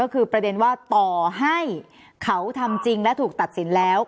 ก็คือประเด็นว่าต่อให้เขาทำจริงและถูกตัดสินแล้ว